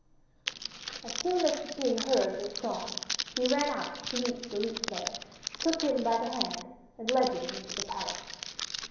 As soon as the king heard this song he ran out to meet the lute player, took him by the hand and led him into the palace.